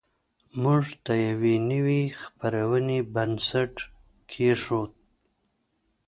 موږ د یوې نوې خپرونې بنسټ کېښود